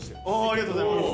ありがとうございます。